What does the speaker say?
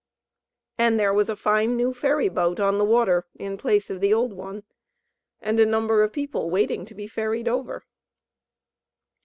And there was a fine new ferry boat on the water, in place of the old one, and a number of people waiting to be ferried over.